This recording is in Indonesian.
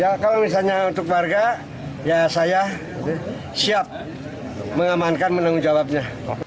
ya kalau misalnya untuk warga ya saya siap mengamankan menanggung jawabnya